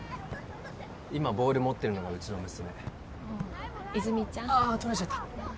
今ボール持ってるのがうちの娘ああ泉実ちゃん？ああ取られちゃった